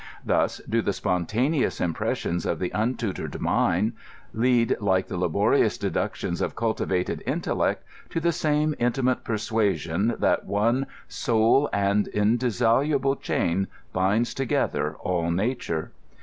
Thus do the spontaneous impreauons of the untutored mind lead, like the laborious deductions of cultivated intellect, to the same intimate persuasion, that one sole and indissoluble chain binds together all nature.